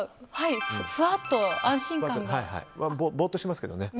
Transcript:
ふわっと安心感が。